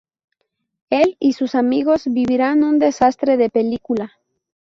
Él y sus amigos vivirán un desastre de película.